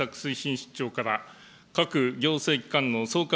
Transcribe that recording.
室長から、各行政機関の総括